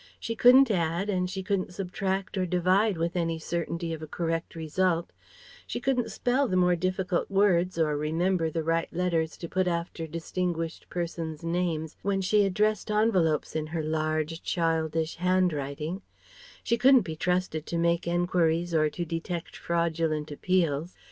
She couldn't add and she couldn't subtract or divide with any certainty of a correct result; she couldn't spell the more difficult words or remember the right letters to put after distinguished persons' names when she addressed envelopes in her large, childish handwriting; she couldn't be trusted to make enquiries or to detect fraudulent appeals.